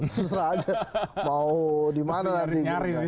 terserah aja mau dimana nanti